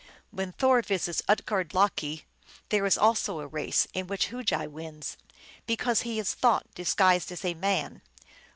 When Thor visits Utgard Loki, there is also a race, in which Hugi wins, because he is Thought disguised as a man.